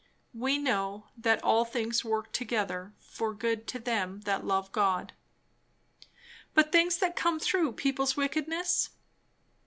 "We know, that all things work together for good to them that love God " But things that come through people's wickedness?